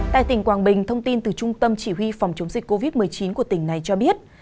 tại tỉnh quảng bình thông tin từ trung tâm chỉ huy phòng chống dịch covid một mươi chín của tỉnh này cho biết